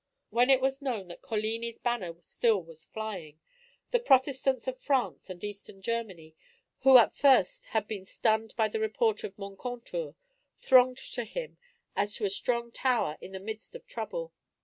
When it was known that Coligni's banner still was flying, the Protestants of France and Eastern Germany, who at first had been stunned by the report of Moncontour, thronged to him as to a strong tower in the midst of trouble.